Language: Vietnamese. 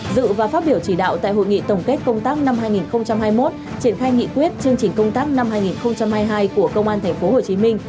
dự và phát biểu chỉ đạo tại hội nghị tổng kết công tác năm hai nghìn hai mươi một triển khai nghị quyết chương trình công tác năm hai nghìn hai mươi hai của công an tp hcm